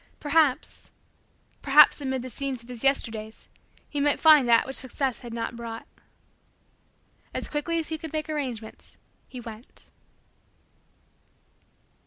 Perhaps perhaps amid the scenes of his Yesterdays, he might find that which Success had not brought. As quickly as he could make arrangements, he went.